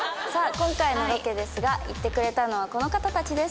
今回のロケですが行ってくれたのはこの方たちです。